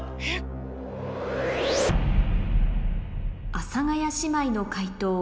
阿佐ヶ谷姉妹の解答